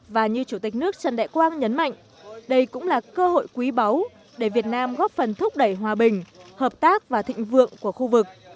và như chủ tịch nước trần đại quang nhấn mạnh đây cũng là cơ hội quý báu để việt nam góp phần thúc đẩy hòa bình hợp tác và thịnh vượng của khu vực